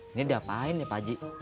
ini diapain ya pak haji